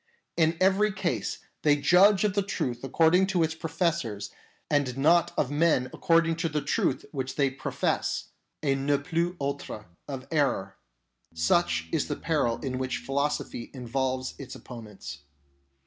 In every case they judge of the truth ac cording to its professors and not of men according to the truth which they profess, a ne plus ultra of error. Such is the peril in which philosophy involves its opponents.